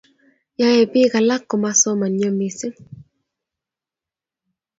yae biik alak komasomanyo mising